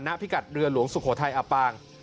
พิกัดเรือหลวงสุโขทัยอับปาง